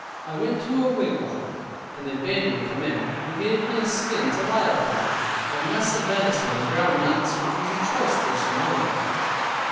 I went to a wigwam, and they bade me come in, and gave me a skin to lie upon, and a mess of venison and ground nuts, which was a choice dish among them.